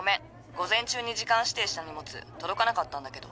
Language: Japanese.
午前中に時間指定した荷物届かなかったんだけど。